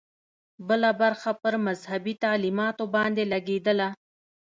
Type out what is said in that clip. بله برخه پر مذهبي تعلیماتو باندې لګېدله.